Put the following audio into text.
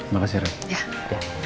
makasih ya randy